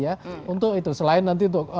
ya untuk itu selain nanti untuk